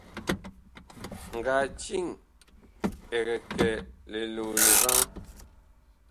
Ngatiŋ ɛg kɛ liloole vaŋ.